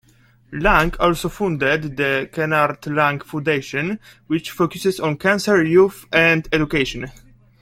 Lang also founded the Kenard Lang Foundation, which focuses on cancer, youth, and education.